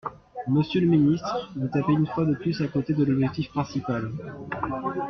Monsieur le ministre, vous tapez une fois de plus à côté de l’objectif principal.